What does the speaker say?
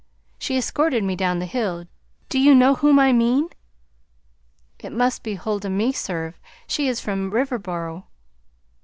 She escorted me down the hill; do you know whom I mean?" "It must be Huldah Meserve; she is from Riverboro."